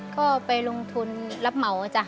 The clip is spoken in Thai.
ก็ไปลงทุนรับเหมาจ้ะ